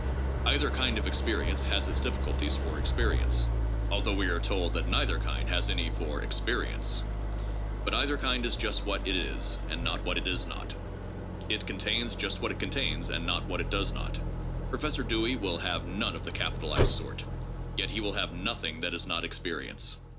Either kind of experience has its difficulties for experience, although we are told that neither kind has any for Experience. But either kind is just what it is, not what it is not; it contains just what it contains, not what it does not. Professor Dewey will have none of the capitalized sort, yet he will have noth ing that is not experience.